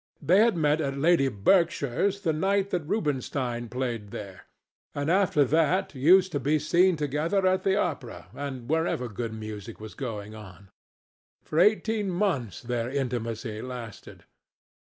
They had met at Lady Berkshire's the night that Rubinstein played there, and after that used to be always seen together at the opera and wherever good music was going on. For eighteen months their intimacy lasted.